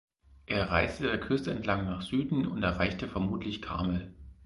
Er reiste der Küste entlang nach Süden und erreichte vermutlich Carmel.